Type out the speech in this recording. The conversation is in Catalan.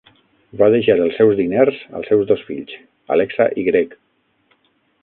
Va deixar els seus diners als seus dos fills, Alexa i Greg.